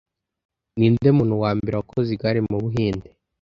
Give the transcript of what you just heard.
Ninde muntu wa mbere wakoze igare mu Buhinde